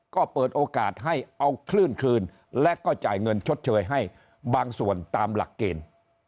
ก็เปิดโอกาสให้เอาคลื่นคืนและก็จ่ายเงินชดเชยให้บางส่วนตามหลักเกณฑ์